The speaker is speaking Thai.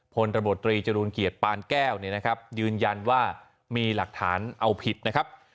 พลตำรวจตรีจรูลเกียรติปานแก้วเนี่ยนะครับยืนยันว่ามีหลักฐานเอาผิดนะครับ